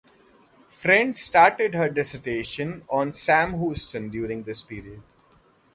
Friend started her dissertation on Sam Houston during this period.